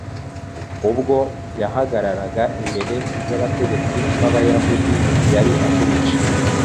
Ubwo yahagararaga imbere y’abategetsi b’Abayahudi yari atuje